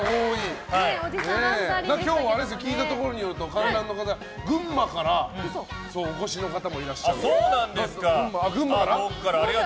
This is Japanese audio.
今日は聞いたところによると観覧の方、群馬からお越しの方もいらっしゃると。